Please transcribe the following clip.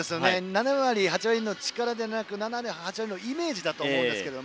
７割８割の力ではなく７割８割のイメージだと思います。